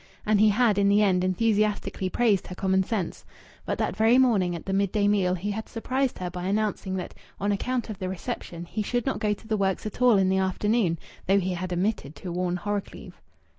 And he had in the end enthusiastically praised her common sense. But that very morning at the midday meal he had surprised her by announcing that on account of the reception he should not go to the works at all in the afternoon, though he had omitted to warn Horrocleave.